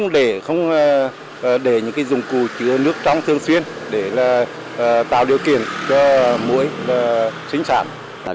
để những dụng cụ chứa nước trong thường xuyên để tạo điều kiện cho muỗi sinh sản